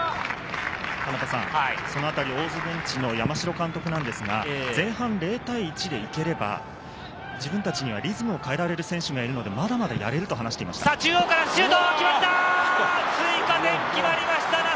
そのあたり、大津ベンチの山城監督ですが、前半０対１で行ければ、自分達にはリズムを変えられる選手がいるので、まだまだやれると話していました。